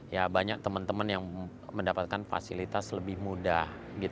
ya banyak teman teman yang mendapatkan fasilitas lebih mudah